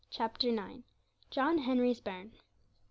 CHAPTER IX. JOHN HENRY'S BAIRN.